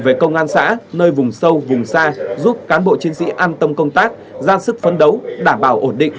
về công an xã nơi vùng sâu vùng xa giúp cán bộ chiến sĩ an tâm công tác ra sức phấn đấu đảm bảo ổn định